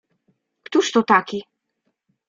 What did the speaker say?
"Któż to taki?"